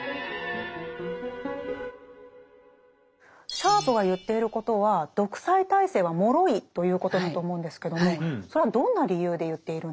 シャープが言っていることは独裁体制は脆いということだと思うんですけどもそれはどんな理由で言っているんですか？